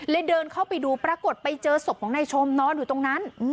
เดินเข้าไปดูปรากฏไปเจอศพของนายชมนอนอยู่ตรงนั้น